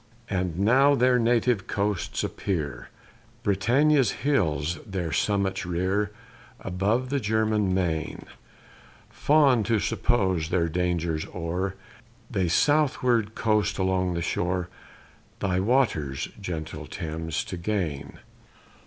And now their native coasts appear, Britannia's hills their summits rear Above the German main; Fond to suppose their dangers o'er, They southward coast along the shore, Thy waters, gentle Thames, to gain.